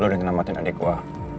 lo udah ngenamatin adik gue